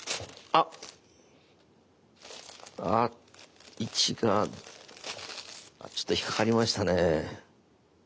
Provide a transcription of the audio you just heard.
あっ位置がちょっと引っ掛かりましたね。